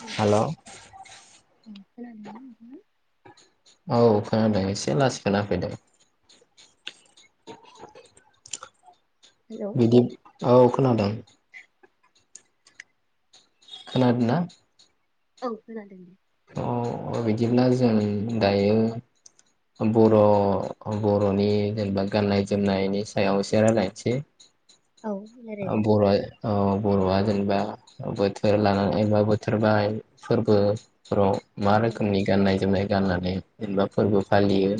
हेल' hello औ खोनादोंना नोंथाङा? औ खोनादों एसे लासै खोना फैदों। [inaudible] हेलौ बिदि औ खोनादों। खोनादों ना? औ खोनादों दे। औ बिदिब्ला जों दायो बर' बर'नि जेनेबा गाननाय जोमनायनि सायाव एसे रायलायसै। औ आ रायलायजागोन। बराय आ बर'आ जेनेबा बोथोर लानानैबा बोथोर बाय फोर्बो फोराव मा औ रोखोमनि गाननाय जोमनाय? गाननानै जेनेबा फोरबो फालियो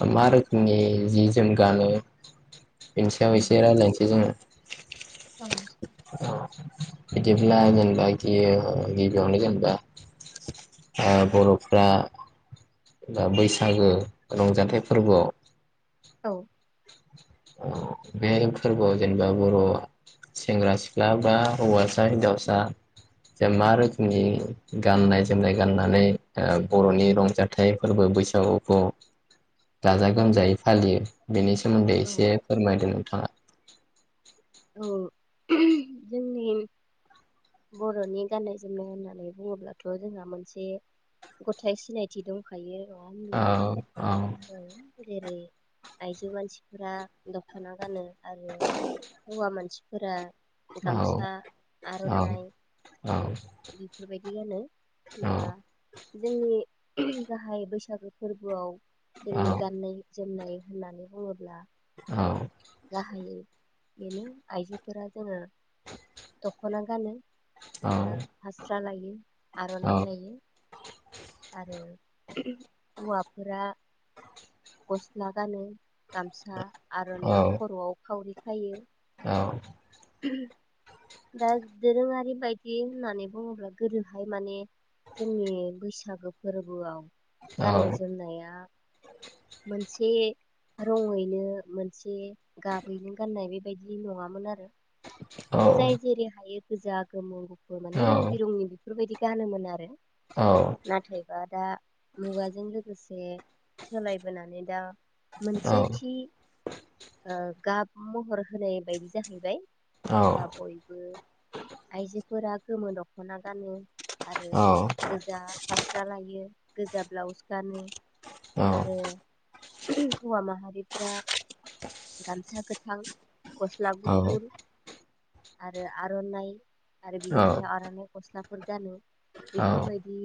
बा मा रोखोमनि जि जोम गानो बेनिसयाव एसे रायज्लायनोसै जोङो। औ। बिदिब्ला जेनबा गि-गिबियावनो जेनबा आ बर'फ्रा दा बैसागो रंजाथाइ फोरबोआव औ। बे फोरबोआव जेनेबा बर' सेंग्रा सिख्ला बा हौवासा हिनजावसा जे मा रोखोमनि गाननाय जोमनाय गाननानै ओ बर'नि रंजाथाइ फोरबो बैसागुखौ गाजा गोमजायै फालियो बेनि सा सोमोन्दै औ इस दे फोरमायदो नोंथाङा। औ [inaudible] जोंनि बर'नि गाननाय जोमनाय होननानै बुङोब्लाथ' जोंहा मोनसे गथाय सिनायथि दंखायो। नङा होमब्ला? औ औ। जेरै आइजो मानसिफोरा दख'ना गानो। आरो हौवा मानसि फोरा औ गामसा औ आर'नाइ औ बेफोरबायदियानो दा जोंनि गाहाय बैसागो फोरबोआव औ दिनि गाननै जोमनाय होननानै बुङोब्ला औ। गाहायै बेनो आइजोफोरा जोंङो दख'ना गानो। ओ फास्रा लायो। आर'नायइ लायो। आरो हौवाफोरा गस्ला गानो। गामसा औ आर'नाइ खर'आव खावरि हायो। औ। [unintelligible] दा दोरोंङारि बायदि होननानै बुंङोब्ला गोदोहाय माने जोंनि बैसो बैसागो फोरबोआव गाननो जोमनाया मोनसे रङैनो मोनसे गाबैनो गाननाय बेबायदि नङामोन आरो। जाय जेरै हायो गोजा गोमो माने रं बिरंनि बेफोरबायदि गानोमोनो आरो औ नाथायबा दा मुगाजों लोगोसे सोलायबोनानै दा मोनसे औ थि ओ गाब महर होनाय बायदि जाहैबाय औ दा बयबो आइजो फोरा गोमो दखना गानो आरो गोजा फास्रा लायो गोजा ब्लाउस गानो आरो हौवा माहारिफोरा गामसा गोथां गस्ला औ गुफुर आरो आरनाइ आरो बिनि सायाव आरनाय गस्ला फोर गानो बेफोरबायदि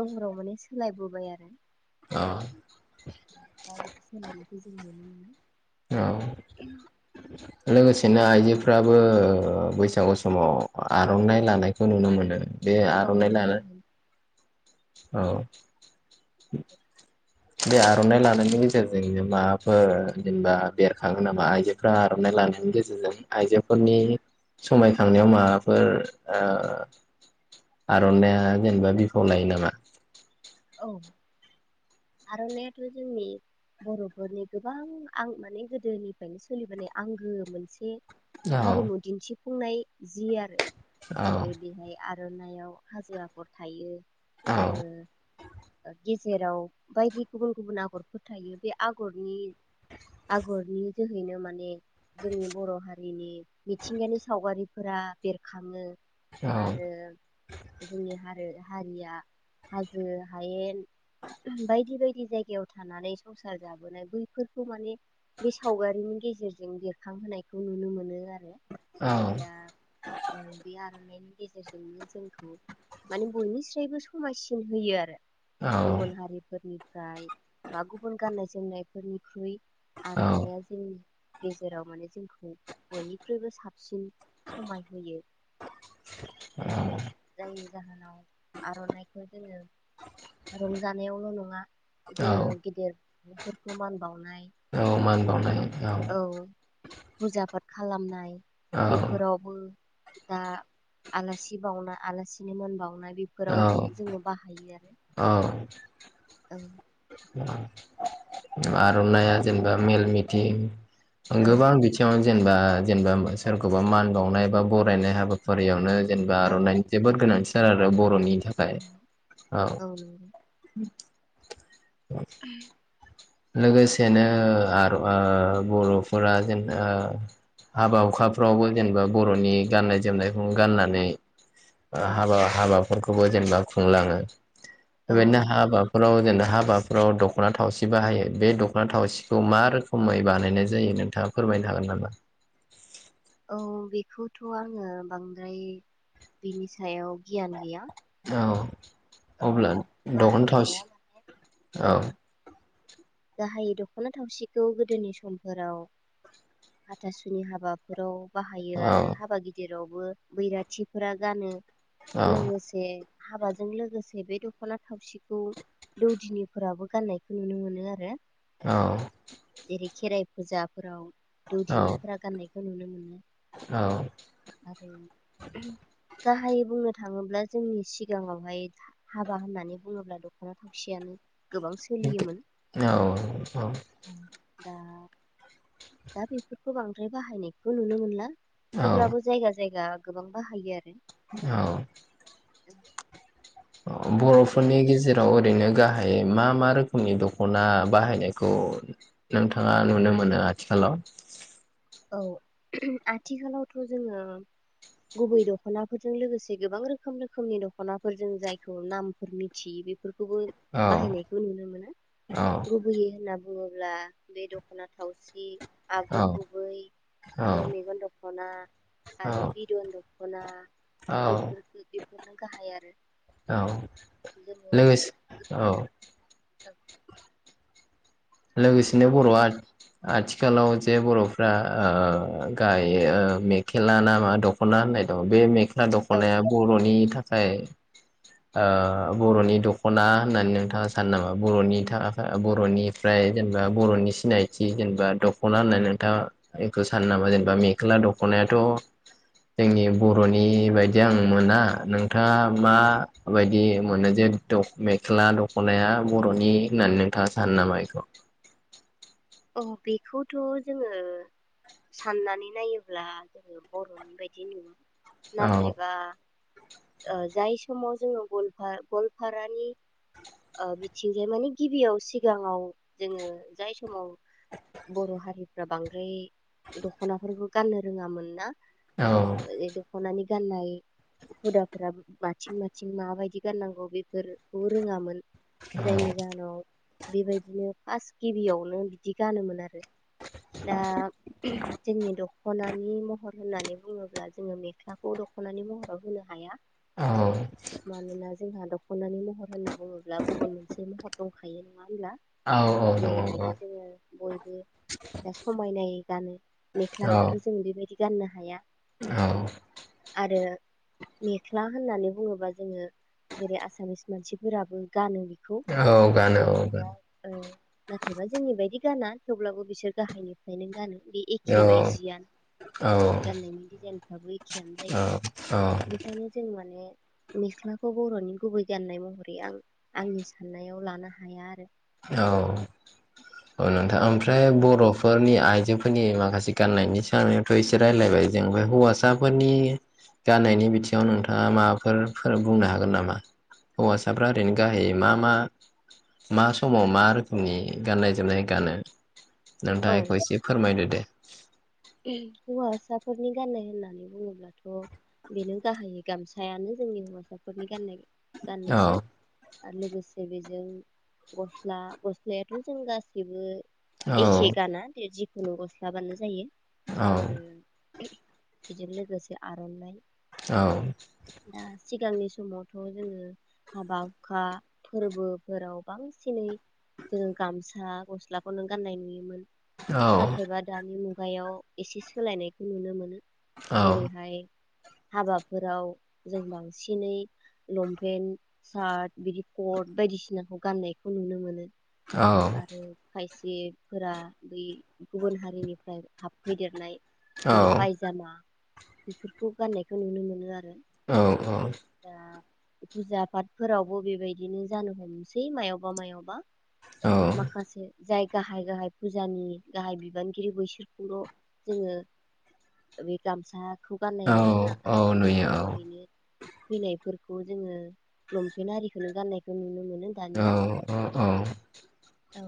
महराव माने सोलायबोबाय आरो औ सिनारिखौ जों नुनो मोनो। औ लोगोसे नो आइजोफ्राबो ओ बैसागु समाव आर'नाइ लानायखौ नुनो मोनो। बे औ आर'नाइ नुनो लानो मोनो। औ बे आर'नाइ लानायनि गेजेरजोंनो माबाफोर जेनेबा बेरखाङो नामा आइजोफोरा आर'नाइ लानायनि गेजेरजों आइजोफोरनि समायखांनायाव माबाफोर ओ आर'नाइया जेनेबा बिफाव लायो नामा? [inaudible] औ आर'नाइयाथ' जोंनि बरफोरनि गोबां आं माने गोदोनिफ्रायनो सोलिबोनाय आंगो मोनसे औ हारिमु दिनथि फुंनाय जि आरो औ जेरै जोंनि आर आर'नाइयाव हाजो आगर थायो। औ आरो गेजेराव बायदि गुबुन गुबुन आगरफोरो थायो बे आगरनि आगरनि जोहैनो माने जोंनि बर' हारिनि मिथिंगानि सावगारिफोरा बेरखाङो। आरो जोंनि हारो हारिया हाजो हायेन बायदि बायदि जायगायाव थांनानै संसार जाबोनाय बैफोरखौ माने बे सावगारिनि गेजेरजों बेरखांहोनायखौ नुनो मोनो आ रो औ दा औ बे आर'नायनि गेजेरजोंनो जोंखौ माने बयनिस्रायबो समायसि नुहोयो आरो। गुबुन हारिफोरनि फ्राय बा गुबुन गाननाय जोमनायफोरनिख्रुइ आर'नाइया औ जोंनि गेजेराव माने जोंखौ बयनिख्रुबो साब सिन समाय होयो। औ जायनो जाहोनाव आर'नाइ खो जोङो रंजानायावल' नङा औ औ जोङो गिदिर फोरखौ मान बाउनाय औ मान बाउनाय। औ। फुजा पात खालामनाय औ बेफोरावबो दा आलासि बावना आलासिनो मानबावनाय बेफोराव जोङो बाहायो आरो ओ औ आर'नाइय जेनबा मेल मिथिं ओं औ गोबां बिथिङाव जेनबा-जेनबा सोरखौबा मान बावनाय बा गरायनाय हाबाफारियावनो जेनबा औ आर'नाइनायनि जोबोद गोनांथि [unintelligible] बर'नि थाखाय नंगौ औ [inaudible] [inaudible] लोगोसेनो आरो ओ बर'फोरा जोंना हाबा हुखाफ्रावबो जेनबा बर'नि गाननाय- जोमनायखौ गाननानै औ हाबा हाबा फोरखौबो जेनेबा खुंलाङो औ नो नंगौ हाबाफोराव जेनबा हााबाफोराव दख'ना थावसिन बाहायो बे दख'ना थावसिखौ मा रोखोमै बानायनाय जायो नोंथाङा फोरमायनो हागोन नामा औ बेखौथ' आङो बांद्राय बिनि सायाव गियान गैया औ औ अब्ला बाहायनाया दखनथावउसि औ गाहायै दख'ना थावसिखौ गोदोनि समफोराव हाथासुनि हाबाफोराव बाहायो औ आरो हाबा गिदिर जेरावबो बैराथिफोरा गानो औ लोगो लोगोसे हाबाजों लोगोसे बे दख'ना थावसि खौ दौदिनिफोराबो गाननायखौ नुनो मोनो आरो औ जेरै खेराइ फुजाफोराव औ दौदिनिफोरा गाननाय नुनो मोना आरो गाहायै बुंनो थाङोब्ला जोंनि सिगाङावहाय हाबा होननानै बुङोब्ला दख'ना थावसेयानो औ औ दा दा बेफोरखौ बांद्राय बाहायनायखौ नुनो मोनला औ थेउब्लाबो जायगा जायगा गोबां बाहायो आरो औ [inaudible] बर'फोरनि गेजेराव ओरैनो गाहाय मा मा रोखोमनि दख'ना बाहायनायखौ नोंथाङा नुनो मोनो आथिखालाव औ आथिखालावथ' जोङो गुबै दख'नाफोरजों लोगोसे गोबां रोखोम रोखोमनि दख'नाफोरजों जायखौ नामफोर मिथियै बेफोर खौबो औ बाहायनायखौ नुनो मोना औ लुबैयि होनना बुङोब्ला बे दखाना थावसि औ आगरगु गुबै आरो औ मेगन दख'ना आरो बिदन दख खना औ बेफोर-बेफोरनो गाहाय आरो औ औ जोंङो [inaudible] लोगोसे औ लोगोसेनो बर'आ आथिखालाव जे बर'फ्रा ओ गायो मेखेला ना मा दख'ना होननाय दं बे मेख ख्ला औ दख'नाया बर'नि थाख खाय ओ बर'नि दख'ना होननानै नोंथाङा सानो नामा बरनि था बर'नि ओमफ्राय जेनेबा बर'नि सिनायथि जेनेबा दख'ना होननानै नोंथाङा बेखौ सानो नामा जेनेबा मेख्ला दख'नायाथ' जोंनि बर'नि बायदि आं मोना नोंथाङा माबायदि मोनो जे मेख्ला दख'नाया बर'नि होननानै नोंथाङा सानो नामा ए खौ औ बेखौथ' जोङो साननानै नायोब्ला जोङो बर'नि बायदि नुवा औ नाथायबा ओ जाय समाव जोङो गल गलपारानि ओ बिथिंहाय माने गिबियाव सिगाङाव जोङो जाय समाव बर' हारिफ्रा बांद्राय दख'नाफोरबो गाननो रोङामोन ना औ सख'नानै गाननाय हुदाफोरा माथिं माथिं माबायदि गाननांगौ बेफोरखौ रोङामोन जायनि जाहोनाव बेबायदिनो फास गिबियावनो बिदि गानोमोन आरो दा जोंनि दख' दख'नानि महर होननानै बुङोब्ला जोङो मेख्लाखौ दख'नानि महराव होनो हाया औ मानोना जोंहा दख दख'नानि महर होनना बुङोब्ला गुबुन मोनसे महर दंखायो। नङा होमब्ला औ दङ औ जेरैबायदि जोङो बयबो दा समायनायै गानो औ मेख्लाखौथ' जों बिदि गाननो हाया औ आरो मेख्ला होननानै बुङोबा जोङो जेरै आसामिस मानसिफोराबो गानो बेखौ गानो औ नाथायबा गानो ओ नाथायबा जोंनि बायदि गाना थेवब्लाबो बिसोर गाहायनिफायनो गानो बे औ एखे बाय जियानो औ गाननायनि डिजाइनफ्राबो एखेयानो जायो औ औ बेखायनो जों माने मेख्लाखौ बर'नि गुबै गाननाय महरै आं आंनि साननायाव लानो हाया आरो औ औ नोंथां आं ओमफ्राय बर'फोरनि आइ जोफोरनि माखासे गाननायनि साननायावथ' एसे रायजलायबाय जों ओमफाय हौवासाफोरनि गाननायनि बिथिङाव नोंथाङा माबाफोर फोर बुंनो हागोन नामा हौवासाफ्रा ओरैनो गाहायै मा मा मा समाव मा रोखोमनि गाननाय जोमनाय गानो। नोंथांआ औ एखौ एसे फोरमायदो दे [inaudible] हौवासाफोरनि गान्नाय होननानै बुङोब्लाथ' बेनो गाहायै गामसायानो जोंनि हौवासाफोरनि गान्नाय औ गानोजि आरो लोगोसे बेजों गस्ला गस्लायाथ' जों गासिबो औ एखे गाना दि खुनु गस्लाबानो जायो औ आरो बेजों लोगोसे आर'नाइ औ दा सिगांनि समावथ' जोङो हाबा हुखा फोरबोफोराव बांसिनै जोंङो गामसा सा गस्लाखौ नों गाननाय नुयोमोन नाथायबा दानि मु गायाव एसे सोलायनायखौ नुनो मोनो जिरै हाय हाबाफोराव जों बांसिनै लंपेन्ट सार्ट बिदि कट बायदिसिनाखौ गाननायखौ नुनो मोनो आरो खाय जे फोरा बै गुबुन हारिनि फ्राय हाबफैदेरनाय औ जेरै फायजामा बेफोरखौ गान्नायखौ नुनो मोनो आ औ औ फुजा पातफोरावबो बेबायदिनो जानो हमसै मायावबा मायावबा माखासे जाय गाहाय गाहाय फुजानि गाहाय बिबानगिरि बैसो बेफोरखौल' जोङो बे गामसा खौ गाननाय नुयो ना औ माखासे नुयो ओरैनो फैनायफोरखौ जोङो लंपेन्ट आरिखौनो गाननायखौ नुनो मोनो नों दानिया औ औ औ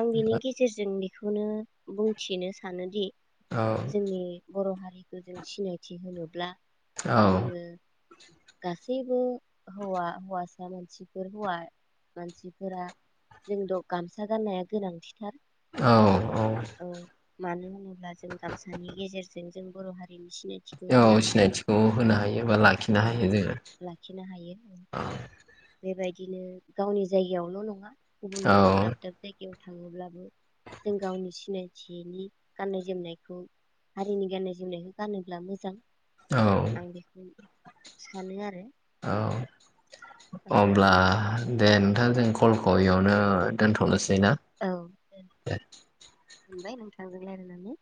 आं बिनि गेजेरजों बेखौनो बुं थिनो सानोदि जोंनि बर' हा रिखौ गोजौ सिनायथि होनोब्ला जोङो गासैबो हौवा हौवासा मानसिफोर हौवा मानसिफोरा जोंथ' गामसा गाननाया गोनांथिथार औ औ औ मानो होनोब्ला जों गामसानि गेजेरजों जों बर' हारिनि सिनायथिखौ औ होनो हायो सिनायथिखौ होनो हायो बा लाखिनो औ हायो लाखिनो हायो जोङो बेबायदिनो गावनि जायगायावल' नङा गुबुन गुबुन दाब औ दाब जायगायाव थांओब्लाबो जों गावनि सिनायथिनि गाननाय जोमनायखौ हारिनि गाननाय जोमनायखौ गानोब्ला मोजां औ आं बेखौनो सानो आरो औ औ अब्ला दे नोंथां जों कलखौ बेयावनो दोनथ'नोसै ना दे मोनबाय नोंथांजों रायलायनानै